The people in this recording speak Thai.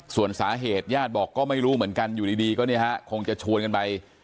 ส่วนสาเหตุญาติบอกก็ไม่รู้เหมือนกันอยู่ดีก็เนี่ยฮะคงจะชวนกันไป